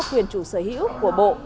quyền chủ sở hữu của bộ